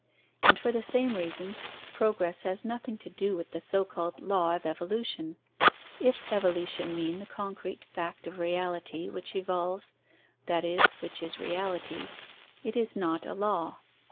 And for the same reason, progress has nothing to do with the so called law of evolution. If evolution mean the concrete fact of reality which evolves (that is, which is reality), it is not a law.